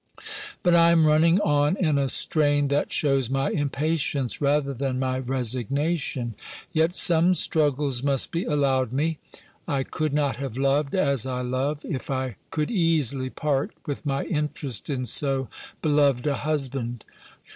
But I am running on in a strain that shews my impatience, rather than my resignation; yet some struggles must be allowed me: I could not have loved, as I love, if I could easily part with my interest in so beloved a husband.